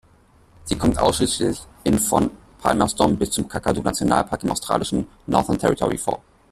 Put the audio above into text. Sie kommt ausschließlich in von Palmerston bis zum Kakadu-Nationalpark im australischen Northern Territory vor.